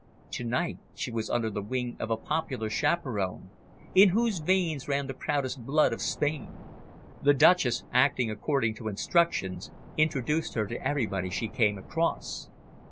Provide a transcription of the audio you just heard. To night she was under the wing of a popular chaperon, in whose veins ran the proudest blood of Spain. The Duchess, acting according to instructions, introduced her to everybody she came across.